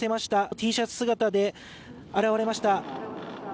Ｔシャツ姿で現れました。